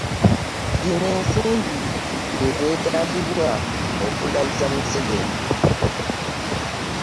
zino ensimbi ze zeetaagibwa okulayiza Museveni.